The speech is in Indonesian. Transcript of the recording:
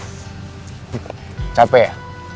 eh capek ya